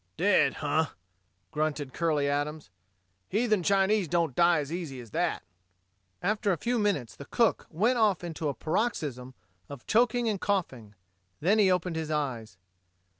"Dead? Huh!" grunted Curley Adams. "Heathen Chinese don't die as easy as that." After a few minutes the cook went off into a paroxysm of choking and coughing. Then he opened his eyes.